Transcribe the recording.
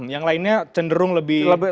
yang lainnya cenderung lebih